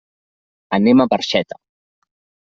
Anem a Barxeta.